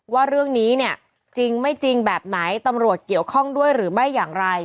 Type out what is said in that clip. ว่าเรื่องนี้เนี่ยจริงไม่จริงแบบไหนตำรวจเกี่ยวข้องด้วยหรือไม่อย่างไร